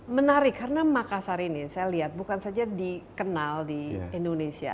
menarik karena makassar ini saya lihat bukan saja dikenal di indonesia